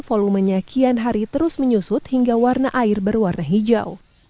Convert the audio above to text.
volumenya kian hari terus menyusut hingga warna air berwarna hijau